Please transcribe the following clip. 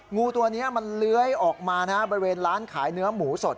งูตัวนี้มันเลื้อยออกมาบริเวณร้านขายเนื้อหมูสด